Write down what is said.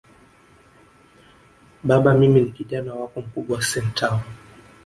Baba mimi ni Kijana wako mkubwa Santeu